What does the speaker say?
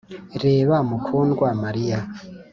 reba mukundwa mariya.